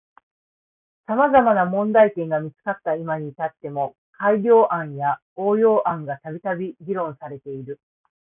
様々な問題点が見つかった今に至っても改良案や応用案がたびたび議論されている。